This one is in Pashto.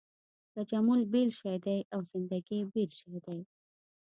تجمل بېل شی دی او زندګي بېل شی دی.